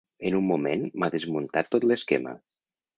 En un moment m'ha desmuntat tot l'esquema.